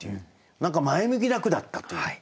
何か前向きな句だったという。